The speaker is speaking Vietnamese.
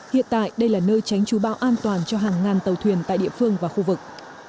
hiện tại đây là nơi tránh trú bão an toàn cho hàng ngàn tàu thuyền tại địa phương và khu vực